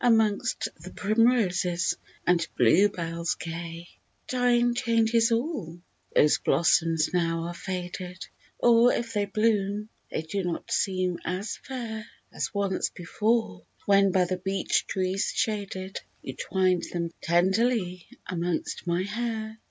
Amongst the primroses and blue bells gay. Time changes all ! those blossoms now are faded, Or, if they bloom, they do not seem as fair As once before, when, by the beech trees shaded, You twined them tenderly amongst my hair.